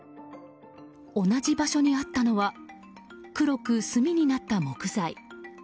同じ場所にあったのは黒く炭になった木材。